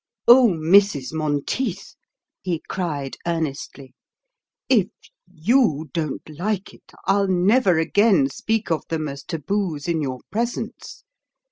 "Oh, Mrs. Monteith," he cried earnestly, "if YOU don't like it, I'll never again speak of them as taboos in your presence.